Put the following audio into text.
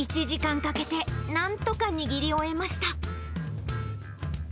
１時間かけて、なんとか握り終えました。